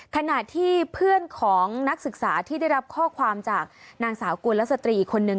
ขณะที่เพื่อนของนักศึกษาที่ได้รับข้อความจากนางสาวกุลสตรีอีกคนนึง